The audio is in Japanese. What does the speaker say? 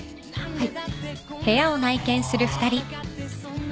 はい？